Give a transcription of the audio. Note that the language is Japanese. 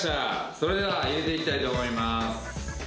それでは入れていきたいと思います。